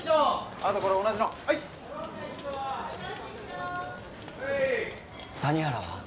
あとこれ同じの谷原は？